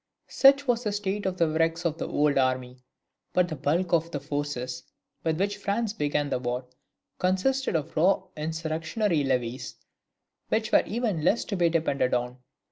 Such was the state of the wrecks of the old army; but the bulk of the forces with which France began the war, consisted of raw insurrectionary levies, which were even less to be depended on.